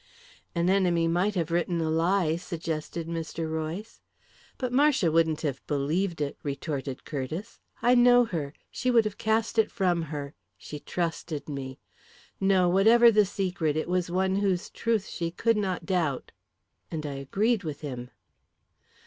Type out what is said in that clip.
"An enemy might have written a lie," suggested Mr. Royce. "But Marcia wouldn't have believed it," retorted Curtiss. "I know her she would have cast it from her. She trusted me. No; whatever the secret, it was one whose truth she could not doubt." And I agreed with him.